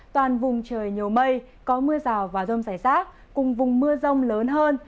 toàn vùng trời nhiều mây có mưa rào và rông rải rác cùng vùng mưa rông lớn hơn